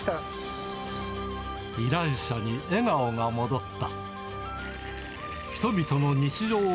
依頼者に笑顔が戻った。